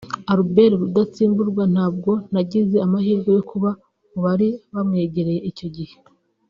Albert Rudatsimburwa ntabwo nagize amahirwe yo kuba mu bari bamwegereye icyo gihe